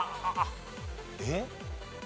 えっ？